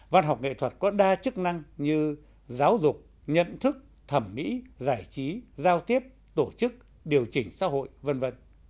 văn học nghệ thuật có đa chức năng như giáo dục nhận thức thẩm mỹ giải trí giao tiếp tổ chức điều chỉnh xã hội v v